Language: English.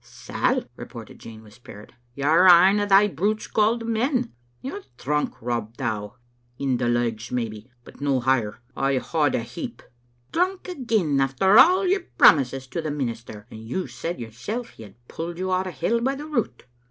"Sal," retorted Jean with spirit, "you're ane o* thae brutes called men. You're drunk, Rob Dow." " In the legs maybe, but no higher. I hand a heap." " Drunk again, after all your promises to the minister ! And you said yoursel' that he had pulled you out o' hell by the root."